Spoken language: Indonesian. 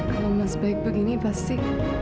kalau mas baik begini pasti